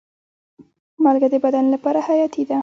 مالګه د بدن لپاره حیاتي ده.